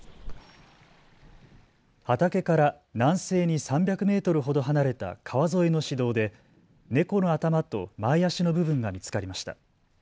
畑から南西に３００メートルほど離れた川沿いの市道で猫の頭と前足の部分が見つかりました。